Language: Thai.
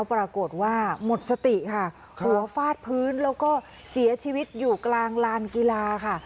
ปรากฏว่าหมดสติค่ะหัวฟาดพื้นแล้วก็เสียชีวิตอยู่กลางลานกีฬาค่ะ